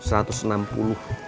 satu enam puluh